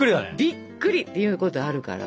びっくりっていうことあるから。